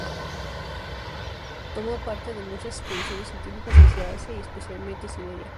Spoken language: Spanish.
Tomó parte de muchas expediciones científicas hacia Asia y, especialmente, Siberia.